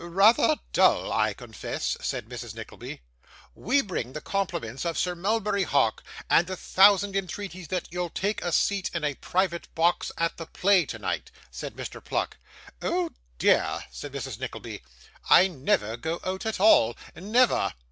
'Rather dull, I confess,' said Mrs. Nickleby. 'We bring the compliments of Sir Mulberry Hawk, and a thousand entreaties that you'll take a seat in a private box at the play tonight,' said Mr. Pluck. 'Oh dear!' said Mrs. Nickleby, 'I never go out at all, never.